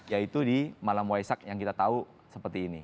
yaitu di malam waisak yang kita tahu seperti ini